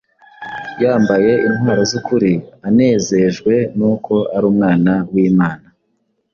yambaye intwaro z’ukuri, anezejwe n’uko ari umwana w’Imana.